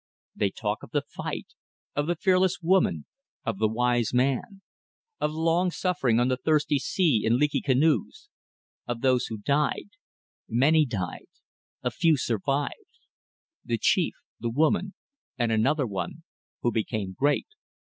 They talk of the fight, of the fearless woman, of the wise man; of long suffering on the thirsty sea in leaky canoes; of those who died. ... Many died. A few survived. The chief, the woman, and another one who became great.